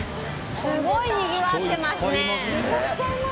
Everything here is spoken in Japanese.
すごいにぎわってますね。